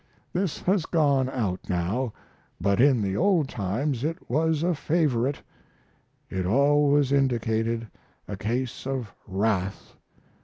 This has gone out now, but in the old times it was a favorite. It always indicated a case of "wrath."